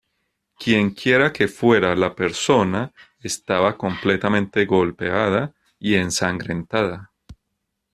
Quien quiera que fuera la persona estaba completamente golpeada y ensangrentada.